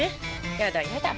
やだやだ。